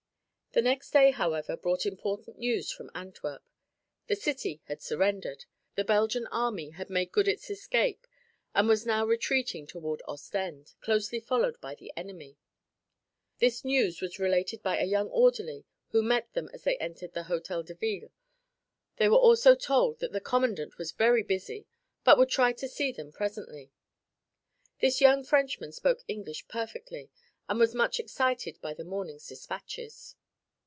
The next day, however, brought important news from Antwerp. The city had surrendered, the Belgian army had made good its escape and was now retreating toward Ostend, closely followed by the enemy. This news was related by a young orderly who met them as they entered the Hotel de Ville. They were also told that the commandant was very busy but would try to see them presently. This young Frenchman spoke English perfectly and was much excited by the morning's dispatches.